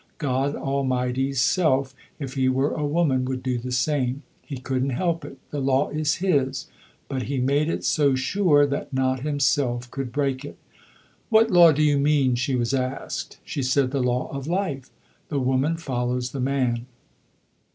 God Almighty's self, if He were a woman, would do the same. He couldn't help it. The law is His; but He made it so sure that not Himself could break it." "What law do you mean?" she was asked. She said, "The law of life. The woman follows the man."